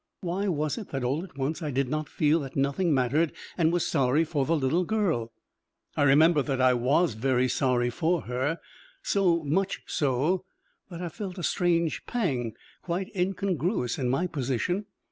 Why was it that all at once I did not feel that nothing mattered and was sorry for the little girl? I remember that I was very sorry for her, so much so that I felt a strange pang, quite incongruous in my position.